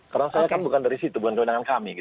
karena saya kan bukan dari situ bukan kewenangan kami